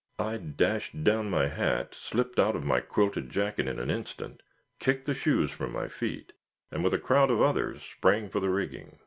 I dashed down my hat, slipped out of my quilted jacket in an instant, kicked the shoes from my feet, and, with a crowd of others, sprang for the rigging.